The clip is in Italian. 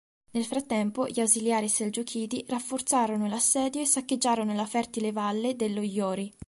Nel frattempo gli ausiliari selgiuchidi rafforzarono l'assedio e saccheggiarono la fertile valle dello Iori.